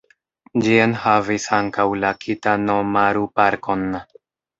Ĝi enhavis ankaŭ la Kita-no-maru-parkon.